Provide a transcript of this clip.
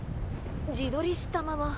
自撮りしたまま。